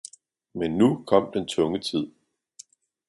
Men nu kom den tunge tid.